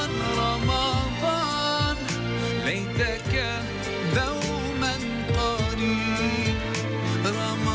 สวัสดีครับ